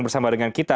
bersama dengan kita